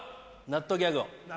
納豆ギャグ？